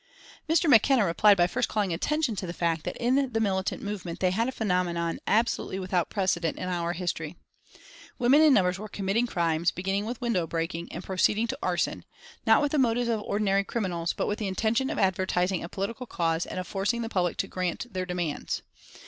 Mr. McKenna replied by first calling attention to the fact that in the militant movement they had a phenomenon "absolutely without precedent in our history." Women in numbers were committing crimes, beginning with window breaking, and proceeding to arson, not with the motives of ordinary criminals, but with the intention of advertising a political cause and of forcing the public to grant their demands.